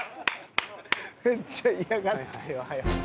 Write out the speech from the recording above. めっちゃ嫌がってるわ。